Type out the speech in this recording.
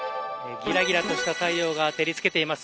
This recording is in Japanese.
ぎらぎらとした太陽が照りつけています。